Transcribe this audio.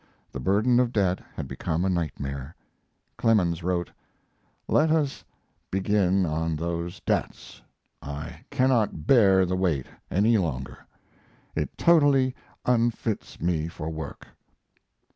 The burden of debt had become a nightmare. Clemens wrote: Let us begin on those debts. I cannot bear the weight any longer. It totally unfits me for work.